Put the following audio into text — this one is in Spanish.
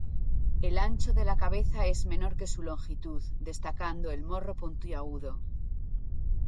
El ancho de la cabeza es menor que su longitud, destacando el morro puntiagudo.